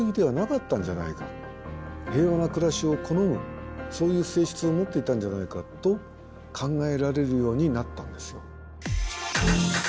平和な暮らしを好むそういう性質を持っていたんじゃないかと考えられるようになったんですよ。